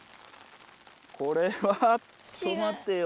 これはちょっとまてよ。